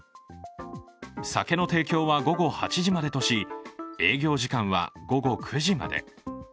酒の提供は午後８時までとし、営業時間は午後９時まで。